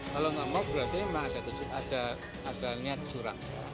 kalau nggak mau berarti memang ada niat curang